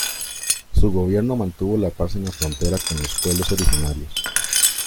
Su gobierno mantuvo la paz en la frontera con los pueblos originarios.